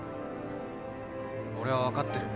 俺は分かってる。